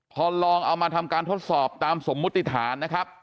พอลองเอามาทำการทดสอบตามสมมุติฐานนะครับ